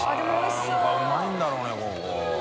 何かうまいんだろうねここ。